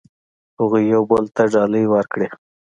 هغوی یو بل ته ډالۍ ورکړې.